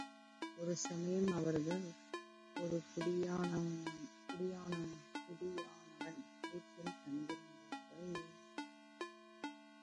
ஒரு சமயம் அவர்கள் ஒரு குடியானவன் வீட்டில் தங்கியிருந்தார்கள்.